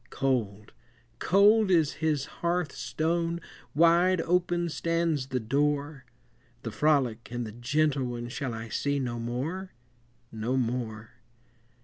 Cold, cold is his hearth stone, Wide open stands the door; The frolic and the gentle one Shall I see no more, no more?